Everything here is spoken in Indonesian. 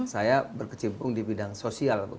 saya berkecimpung di bidang sosial waktu itu